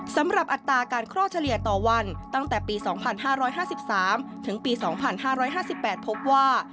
อัตราการคลอดเฉลี่ยต่อวันตั้งแต่ปี๒๕๕๓ถึงปี๒๕๕๘พบว่า